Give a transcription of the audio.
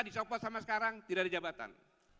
dicopot sama sekarang tidak ada jabatan